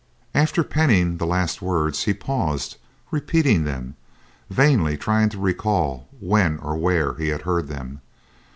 After penning the last words he paused, repeating them, vainly trying to recall when or where he had heard them.